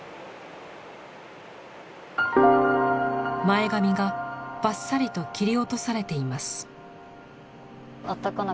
前髪がバッサリと切り落とされています。